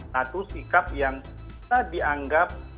satu sikap yang bisa dianggap